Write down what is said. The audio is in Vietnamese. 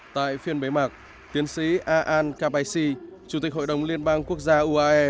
tại phiên bế mạc tiến sĩ a a n kabay si chủ tịch hội đồng liên bang quốc gia uae